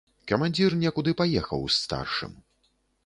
Камандзір некуды паехаў з старшым.